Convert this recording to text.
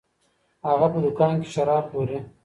هغه په دکان کي شراب پلوري.